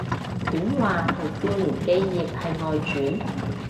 短話同少年寄葉係外傳